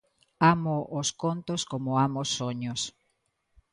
Amo os contos como amo os soños.